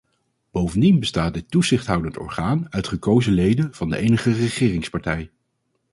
Bovendien bestaat dit toezichthoudend orgaan uit gekozen leden van de enige regeringspartij.